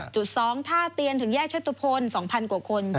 ๒ท่าเตียนถึงแยกเชตุพล๒๐๐กว่าคน